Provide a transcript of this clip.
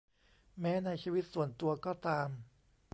แม้ในชีวิตส่วนตัวก็ตาม